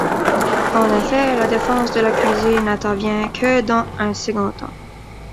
En effet, la défense de l’accusé n’intervient que dans un second temps.